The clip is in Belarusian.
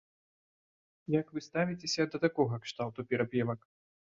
Як вы ставіцеся да такога кшталту перапевак?